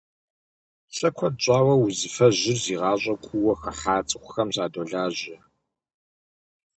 Сэ куэд щӏауэ узыфэжьыр зи гъащӏэм куууэ хыхьа цӏыхухэм садолажьэр.